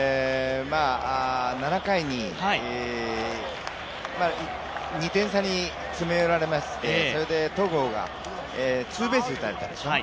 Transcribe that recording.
７回に２点差に詰め寄られましてそれで戸郷がツーベースを打たれたでしょう。